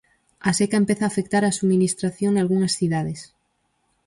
A seca empeza a afectar á subministración nalgunhas cidades.